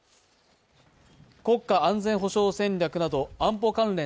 国家安全保障戦略など安保関連